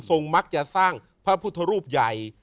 มักจะสร้างพระพุทธรูปใหญ่